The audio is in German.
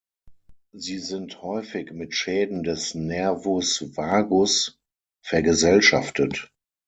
Sie sind häufig mit Schäden des Nervus vagus vergesellschaftet.